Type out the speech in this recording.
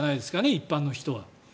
一般の人は。